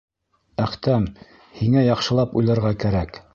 Әхтәм, һиңә яҡшылап уйларға кәрәк!